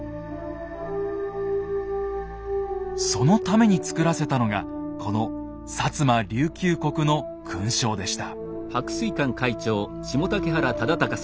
そのために作らせたのがこの摩琉球国の勲章でした。